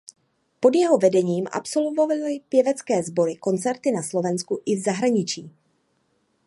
Pod jeho vedením absolvovaly pěvecké sbory koncerty na Slovensku i v zahraničí.